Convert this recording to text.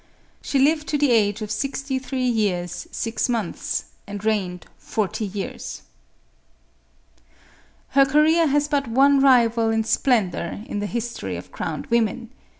She lived to the age of sixty three years, six months, and reigned forty years. . Her career has but one rival in splendor, in the his tory of crowned women.